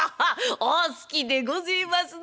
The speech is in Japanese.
お好きでごぜえますな。